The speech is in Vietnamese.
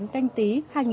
canh tí hai nghìn hai mươi